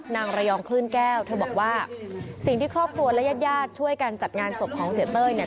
นางระยองคลื่นแก้วเธอบอกว่าสิ่งที่ครอบครัวและญาติญาติช่วยกันจัดงานศพของเสียเต้ยเนี่ย